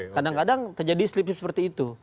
kadang kadang terjadi slip slip seperti itu